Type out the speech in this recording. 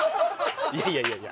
いやいやいやいや。